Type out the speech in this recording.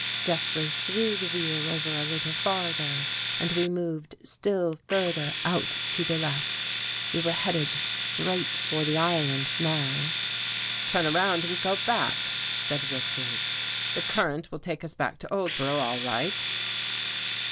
Jeffrey threw the wheel over a little farther and we moved still further out to the left. We were headed straight for the island now. " Turn around and go back," said Richards. " The current will take us back to Oldborough all right."